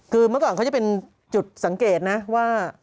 คือเมื่อก่อนเขาจะเป็นจุดสังเกตนะว่า